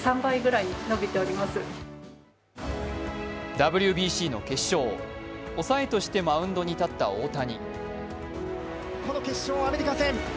ＷＢＣの決勝抑えとしてマウンドに上がった大谷。